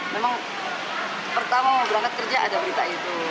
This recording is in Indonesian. memang pertama berangkat kerja ada berita itu